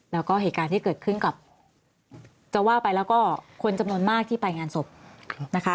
แล้วก็เหตุการณ์ที่เกิดขึ้นกับจะว่าไปแล้วก็คนจำนวนมากที่ไปงานศพนะคะ